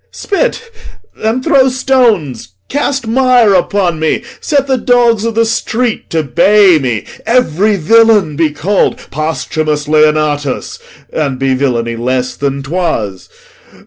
Spit, and throw stones, cast mire upon me, set The dogs o' th' street to bay me. Every villain Be call'd Posthumus Leonatus, and Be villainy less than 'twas!